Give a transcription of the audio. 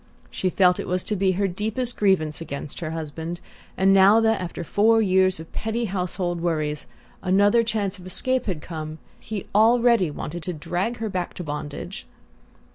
She still felt it to be her deepest grievance against her husband; and now that, after four years of petty household worries, another chance of escape had come, he already wanted to drag her back to bondage!